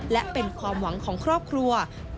และเป็นความหวังของครอบครัว